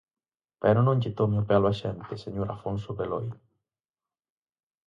¡Pero non lle tome o pelo á xente, señor Afonso Beloi!